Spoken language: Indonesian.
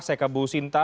saya ke bu sinta